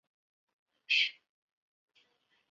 最后发现霍尔德的侄女玛丽才是偷宝物的真凶。